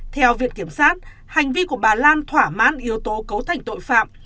theo viện kiểm sát hành vi của bà lan thỏa mãn yếu tố cấu thành tội phạm